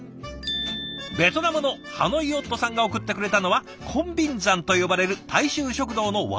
ベトナムのハノイ夫さんが送ってくれたのはコンビンザンと呼ばれる大衆食堂のワンプレートランチ。